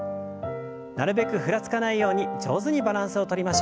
なるべくふらつかないように上手にバランスをとりましょう。